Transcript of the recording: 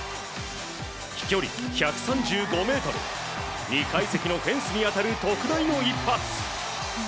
飛距離１３５ｍ２階席のフェンスに当たる特大の一発。